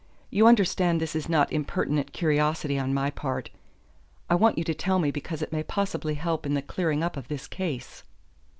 You understand this is not impertinent curiosity on my part. I want you to tell me because it may possibly help in the clearing up of this case."